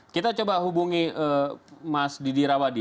kita coba hubungi mas didi rawadi